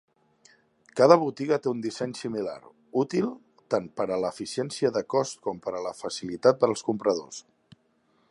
Cada botiga té un disseny similar, útil tant per a l'eficiència de cost com per a la facilitat per als compradors.